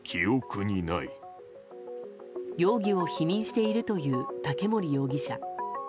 容疑を否認しているという竹森容疑者。